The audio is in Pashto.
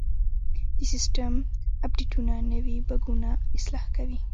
د سیسټم اپډیټونه نوي بګونه اصلاح کوي.